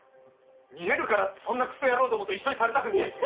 見えるからってそんなクソ野郎どもと一緒にされたくねえっすよ！